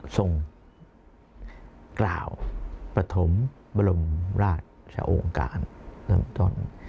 ส่งกล่าวปฐมบรมราชองค์การเริ่มต้น